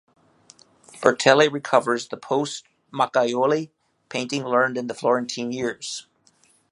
Bertelli recovers the post Macchiaioli painting learned in the Florentine years.